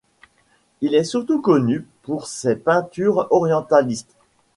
Il est surtout connu pour ses peintures orientalistes.